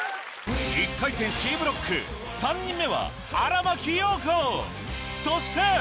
１回戦Ｃブロック３人目はそして！